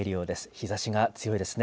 日ざしが強いですね。